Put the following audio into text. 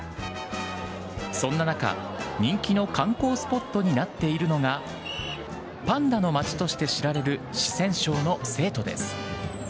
そんな中、人気の観光スポットになっているのが、パンダの街として知られる四川省の成都です。